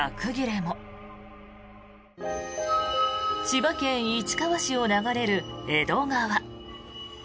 千葉県市川市を流れる江戸川。